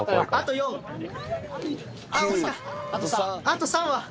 あと３羽。